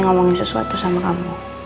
ngomongin sesuatu sama kamu